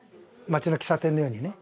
街の喫茶店のようにね。